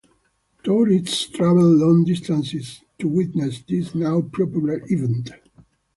Tourists travel long distances to witness this now popular event.